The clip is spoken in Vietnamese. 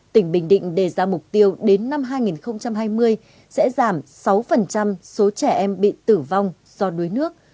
tỉnh bình định đề ra mục tiêu đến năm hai nghìn hai mươi sẽ giảm sáu số trẻ em bị tử vong do đuối nước